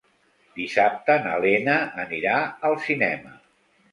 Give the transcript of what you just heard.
Dissabte na Lena anirà al cinema.